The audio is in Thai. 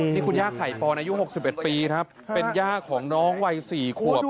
ที่คุณย่าไข่ปอนอายุ๖๑ปีครับเป็นย่าของน้องวัย๔ขวบ